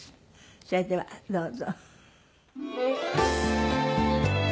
それではどうぞ。